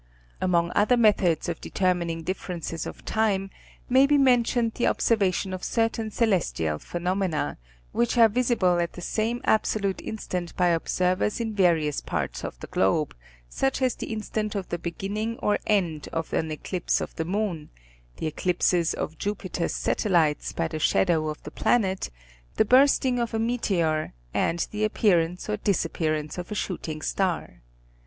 Among other methods of determining differences of time may be mentioned the observation of certain celestial phenomena, which are visible at the same absolute instant by observers in various parts of the globe, such as the instant of the beginning or end of an eclipse of the moon, the eclipses of Jupiter's satel Telegraphic Determinations of Longitude. 3 lites by the shadow of the planet, the bursting of a meteor, and the appearance or disappearance of a shooting star.